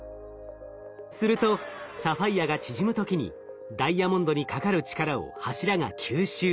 するとサファイアが縮む時にダイヤモンドにかかる力を柱が吸収。